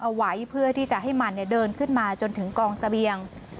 เอาไว้เพื่อที่จะให้มันเดินขึ้นมาจนถึงกองเสบียง